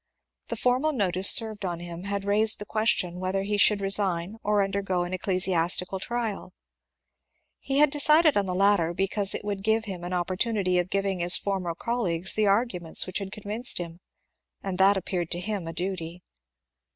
The formal notice served on him had raised the question whether he should resign or undergo an ecclesiastical trial. He had decided on the latter, because it would give him an opportu nity of giving his former colleagues the arguments which had convinced him, and that appeared to him a duty.